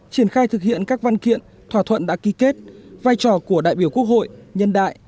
triển khai thực hiện các văn kiện thỏa thuận đã ký kết vai trò của đại biểu quốc hội nhân đại